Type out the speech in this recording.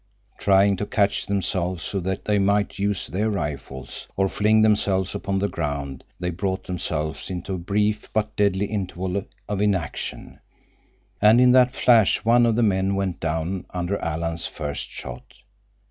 Trying to catch themselves so that they might use their rifles, or fling themselves upon the ground, they brought themselves into a brief but deadly interval of inaction, and in that flash one of the men went down under Alan's first shot.